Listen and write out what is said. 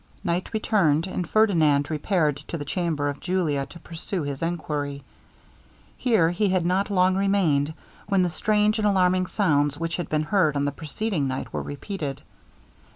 Night returned, and Ferdinand repaired to the chamber of Julia to pursue his enquiry. Here he had not long remained, when the strange and alarming sounds which had been heard on the preceding night were repeated.